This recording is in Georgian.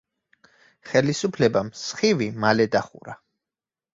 ხელისუფლებამ „სხივი“ მალე დახურა.